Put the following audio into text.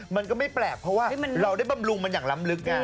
มันก็ไม่แปลกเพราะว่าเราได้บำรุงมันอย่างล้ำลึก